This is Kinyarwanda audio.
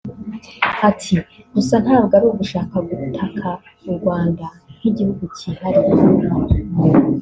Ati“ Gusa ntabwo ari ugushaka gutaka u Rwanda nk’igihugu cyihariye